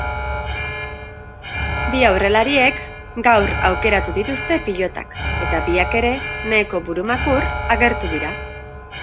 Bi aurrelariek gaur aukeratu dituzte pilotak eta biak ere nahiko burumakur agertu dira.